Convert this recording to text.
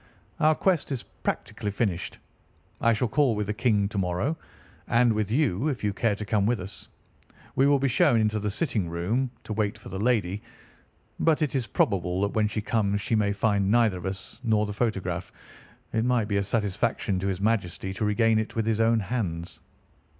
"Our quest is practically finished. I shall call with the King to morrow, and with you, if you care to come with us. We will be shown into the sitting room to wait for the lady, but it is probable that when she comes she may find neither us nor the photograph. It might be a satisfaction to his Majesty to regain it with his own hands."